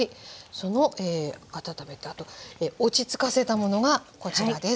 その温めたあと落ち着かせたものがこちらです。